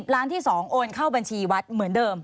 ล้านที่๒โอนเข้าบัญชีวัดเหมือนเดิม